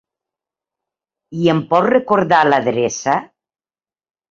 I em pots recordar l'adreça?